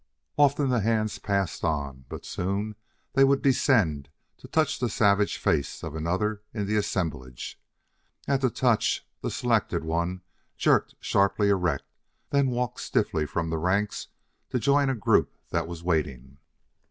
Often the hands passed on; but soon they would descend to touch the savage face of another in the assemblage. At the touch the selected one jerked sharply erect, then walked stiffly from the ranks to join a group that was waiting.